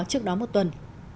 trước đó một tuần